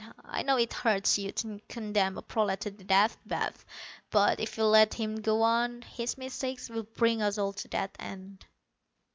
I know it hurts you to condemn a prolat to the Death Bath, but if you let him go on, his mistakes will bring us all to that end."